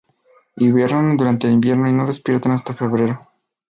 Hibernan durante el invierno y no despiertan hasta febrero.